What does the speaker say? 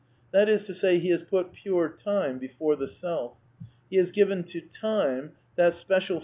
That is to say, he has put Pure Time before the Self. He has given to T ime that special